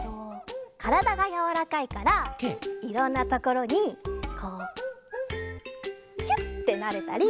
からだがやわらかいからいろんなところにこうキュッてなれたり。